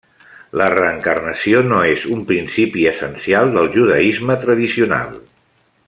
La reencarnació no és un principi essencial del judaisme tradicional.